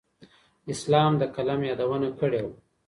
اسلام د قلم یادونه کړې وه.